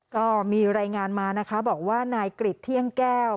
ก็มีรายงานมานะคะบอกว่านายกริจเที่ยงแก้ว